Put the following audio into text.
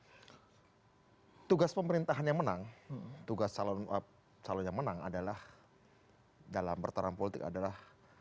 hai tugas pemerintahannya menang tugas calon calon yang menang adalah dalam perterangan politik adalah